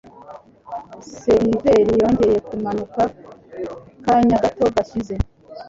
Seriveri yongeye kumanuka kanya gato gashyize.